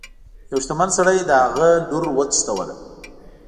یوه شتمن سړي د هغه لور وتښتوله.